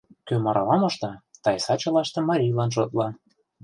Кӧ марла мошта, Тайса чылаштым марийлан шотла.